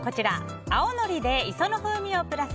青のりで磯の風味をプラス！